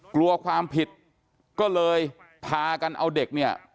กลัวความผิดก็เลยพากันเอาเด็กเนี่ย